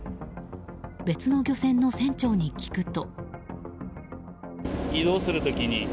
別の漁船の船長に聞くと。